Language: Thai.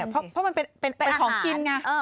เพราะมันเป็นของกินไง